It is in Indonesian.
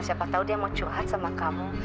siapa tahu dia mau curhat sama kamu